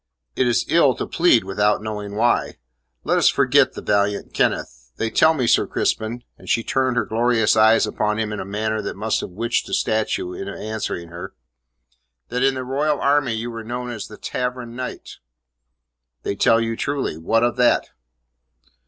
"It is ill to plead without knowing why. Let us forget the valiant Kenneth. They tell me, Sir Crispin" and she turned her glorious eyes upon him in a manner that must have witched a statue into answering her "that in the Royal army you were known as the Tavern Knight." "They tell you truly. What of that?"